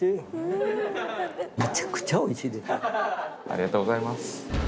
ありがとうございます。